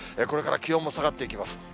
これから気温も下がっていきます。